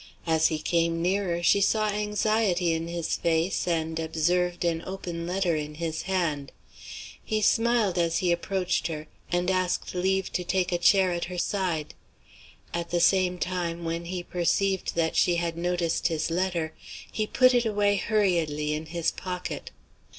As he came nearer, she saw anxiety in his face and observed an open letter in his hand. He smiled as he approached her, and asked leave to take a chair at her side. At the same time, when he perceived that she had noticed his letter, he put it away hurriedly in his pocket.